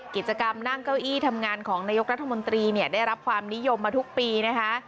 กิจกรรมนั่งเก้าอี้ทำงานของนายกรัฐมนตรีเนี่ยได้รับความนิยมมาทุกปีนะคะ